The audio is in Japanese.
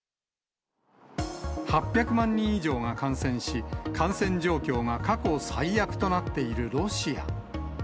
８００万人以上が感染し、感染状況が過去最悪となっているロシア。